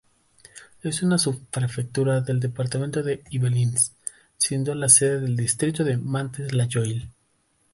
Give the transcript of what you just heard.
Es una subprefectura del departamento de Yvelines, siendo la sede del distrito de Mantes-la-Jolie.